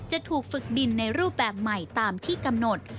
จะถูกฝึกบินในรูปแบบใหม่ตามที่กำหนด